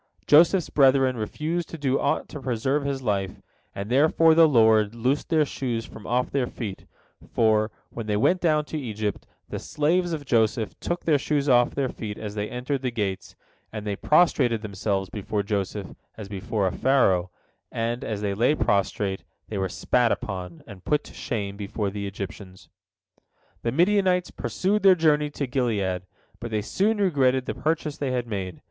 Joseph's brethren refused to do aught to preserve his life, and therefore the Lord loosed their shoes from off their feet, for, when they went down to Egypt, the slaves of Joseph took their shoes off their feet as they entered the gates, and they prostrated themselves before Joseph as before a Pharaoh, and, as they lay prostrate, they were spat upon, and put to shame before the Egyptians. The Midianites pursued their journey to Gilead, but they soon regretted the purchase they had made.